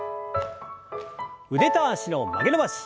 腕と脚の曲げ伸ばし。